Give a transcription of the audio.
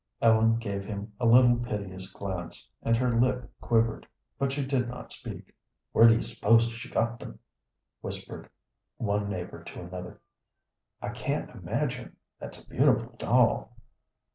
Ellen gave him a little piteous glance, and her lip quivered, but she did not speak. "Where do you s'pose she got them?" whispered one neighbor to another. "I can't imagine; that's a beautiful doll."